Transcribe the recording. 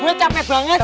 gue capek banget